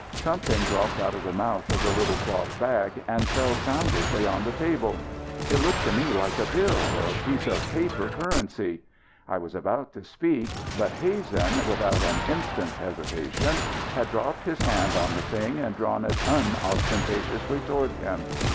Something dropped out of the mouth of the little cloth bag and fell soundlessly on the table. It looked to me like a bill, a piece of paper currency. I was about to speak, but Hazen, without an instant's hesitation, had dropped his hand on the thing and drawn it unostentatiously toward him.